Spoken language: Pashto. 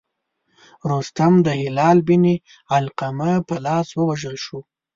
رستم د هلال بن علقمه په لاس ووژل شو.